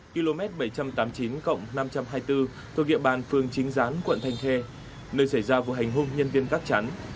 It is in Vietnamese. km bảy trăm tám mươi chín cộng năm trăm hai mươi bốn thuộc địa bàn phường chính gián quận thành thê nơi xảy ra vụ hành hung nhân viên gắp chắn